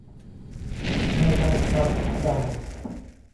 ไม่ได้เคานท์ดาวน์